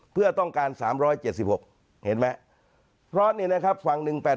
เพื่อต้องการ๓๗๖เสียงไตรปฏิบันเพื่อนี้ฝั่ง๑๘๘